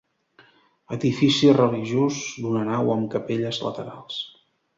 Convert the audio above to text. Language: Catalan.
Edifici religiós d'una nau amb capelles laterals.